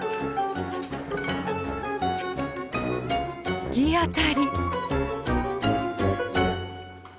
突き当たり。